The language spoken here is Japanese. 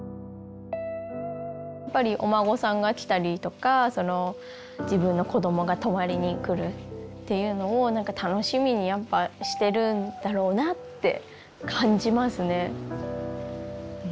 やっぱりお孫さんが来たりとか自分の子どもが泊まりに来るっていうのを楽しみにやっぱしてるんだろうなって感じますね。